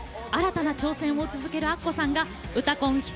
新たな挑戦を続けるアッコさんが「うたコン」